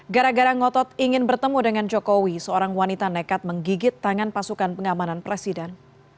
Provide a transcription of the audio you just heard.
gara gara ngotot ingin bertemu dengan jokowi seorang wanita nekat menggigit tangan pasukan pengamanan presiden